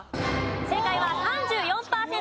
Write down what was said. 正解は３４パーセント。